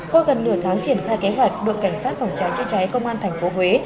qua gần nửa tháng triển khai kế hoạch đội cảnh sát phòng cháy chữa cháy công an tp huế